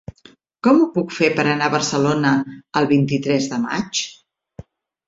Com ho puc fer per anar a Barcelona el vint-i-tres de maig?